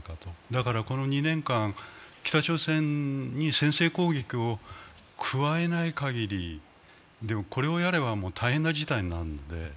だからこの２年間、北朝鮮に先制攻撃を加えない限り、でもこれをやれば大変な事態になるので。